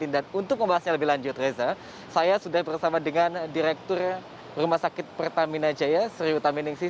dan untuk membahasnya lebih lanjut reza saya sudah bersama dengan direktur rumah sakit pertamina jaya sriwita miningsi